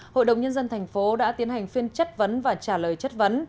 hội đồng nhân dân thành phố đã tiến hành phiên chất vấn và trả lời chất vấn